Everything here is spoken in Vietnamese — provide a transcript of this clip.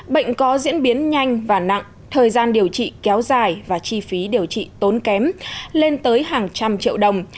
bệnh có diễn biến nhanh và nặng thời gian điều trị kéo dài và chi phí điều trị tốn kém lên tới hàng trăm triệu đồng